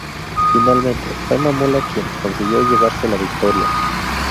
Finalmente, fue Mamola quien consiguió llevarse la victoria.